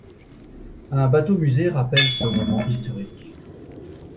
Un bateau-musée rappelle ce moment historique.